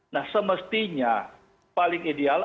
nah semestinya paling ideal